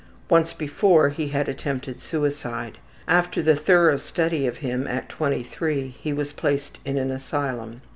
Once before he had attempted suicide. After the thorough study of him at 23 he was placed in an asylum.